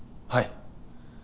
はい。